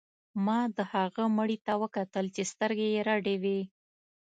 ما د هغه مړي ته کتل چې سترګې یې رډې وې